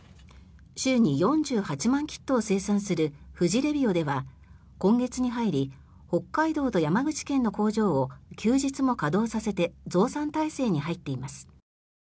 週に４８万キットを生産する富士レビオでは今月に入り北海道と山口県の工場を休日も稼働させて増産体制に入っています。